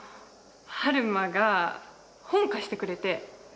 春馬が本貸してくれて。